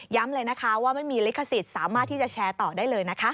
เลยนะคะว่าไม่มีลิขสิทธิ์สามารถที่จะแชร์ต่อได้เลยนะคะ